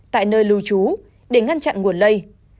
tại nơi lưu trú để ngăn chặn nguồn lây